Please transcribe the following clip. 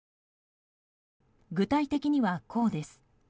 具体的には、こうです。